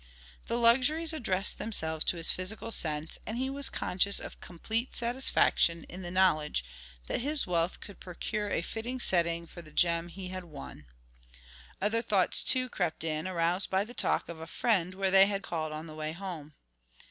The luxuries addressed themselves to his physical sense, and he was conscious of complete satisfaction in the knowledge that his wealth could procure a fitting setting for the gem he had won. Other thoughts, too, crept in, aroused by the talk of a friend where they had called on the way home.